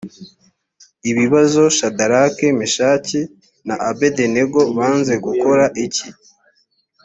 ibibazo shadaraki meshaki na abedenego banze gukora iki